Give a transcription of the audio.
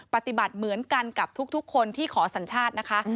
ปฏิบัติเหมือนกันกับทุกคนที่ขอสัญชาตินะคะ